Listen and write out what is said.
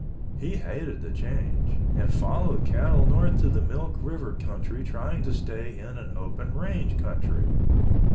He hated the change, and followed cattle north to the Milk River Country trying to stay in an open range country.